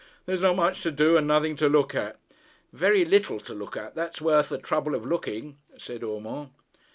There's not much to do, and nothing to look at.' 'Very little to look at, that's worth the trouble of looking,' said Urmand.